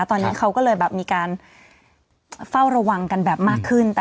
ตอนนี้เขาก็เลยแบบมีการเฝ้าระวังกันแบบมากขึ้น